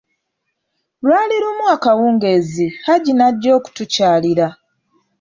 Lwali lumu, akawungeezi, Haji n'ajja okutukyalira.